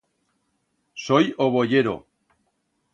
Soi o boyero.